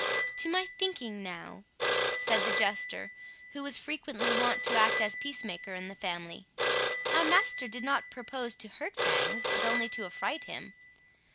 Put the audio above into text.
"To my thinking now," said the Jester, who was frequently wont to act as peace maker in the family, "our master did not propose to hurt Fangs, but only to affright him.